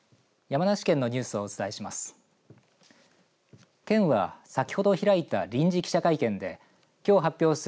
山梨県のニュースをお伝えします。